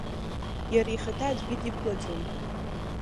Иара ихаҭа аӡәгьы диқәлаӡом.